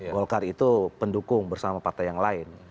golkar itu pendukung bersama partai yang lain